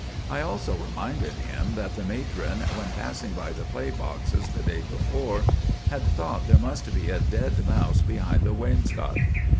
I also reminded him that the matron, when passing by the play boxes the day before, had thought there must be a dead mouse behind the wainscot.